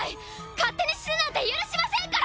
勝手に死ぬなんて許しませんから！